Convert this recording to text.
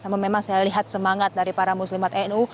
namun memang saya lihat semangat dari para muslimat nu